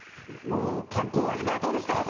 観光は今、どうですか？